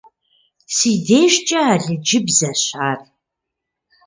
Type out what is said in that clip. Си дежкIэ алыджыбзэщ ар.